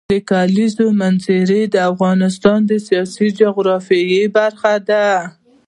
د کلیزو منظره د افغانستان د سیاسي جغرافیه برخه ده.